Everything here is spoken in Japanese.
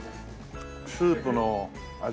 スープの味